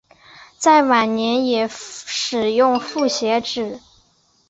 在晚年也使用复写纸。